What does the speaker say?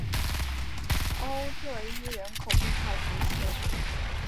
欧特伊人口变化图示